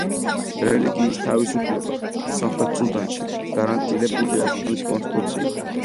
რელიგიის თავისუფლება სამხრეთ სუდანში გარანტირებულია ქვეყნის კონსტიტუციით.